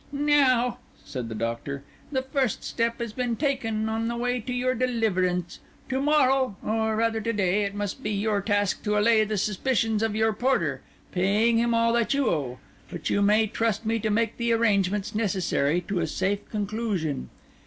"Now," said the Doctor, "the first step has been taken on the way to your deliverance. To morrow, or rather to day, it must be your task to allay the suspicions of your porter, paying him all that you owe; while you may trust me to make the arrangements necessary to a safe conclusion.